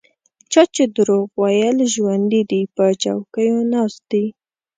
چا چې دروغ ویل ژوندي دي په چوکیو ناست دي.